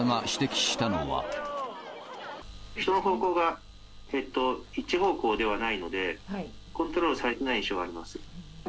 人の方向が、一方向ではないので、コントロールされてない印象があります。